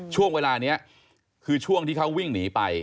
ช่วงเวลานี้คือช่วงที่เขาวิ่งหนีไป